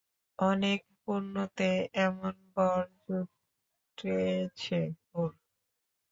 অনেক পুণ্যতে এমন বর জুটেছে ওর।